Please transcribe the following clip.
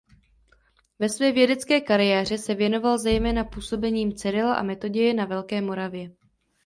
Ve své vědecké kariéře se věnoval zejména působením Cyrila a Metoděje na Velké Moravě.